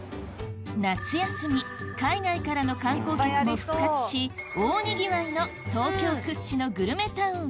夏休み海外からの観光客も復活し大にぎわいの東京屈指のグルメタウン